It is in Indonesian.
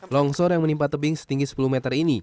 longsor yang menimpa tebing setinggi sepuluh meter ini